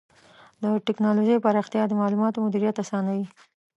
د ټکنالوجۍ پراختیا د معلوماتو مدیریت آسانوي.